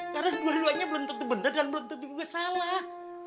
karena dua duanya belum tentu bener dan belum tentu salah